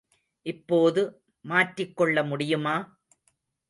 இப்போது மாற்றிக்கொள்ள முடியுமா?